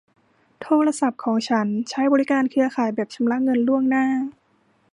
โทรศัพท์ของฉันใช้บริการเครือข่ายแบบชำระเงินล่วงหน้า